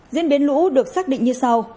diễn biến lũ được xác định như sau